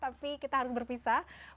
tapi kita harus berpisah